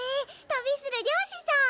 旅する漁師さん！